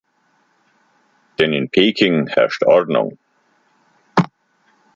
Denn in Peking herrscht Ordnung.